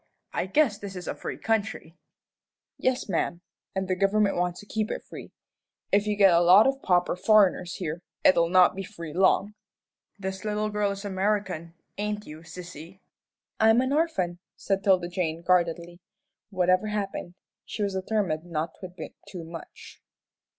I guess this is a free country." "Yes, ma'am, and the government wants to keep it free. If you get a lot of pauper foreigners here, it'll not be free long." "This little girl is American, ain't you, sissy?" "I'm an orphan," said 'Tilda Jane, guardedly. Whatever happened, she was determined not to admit too much.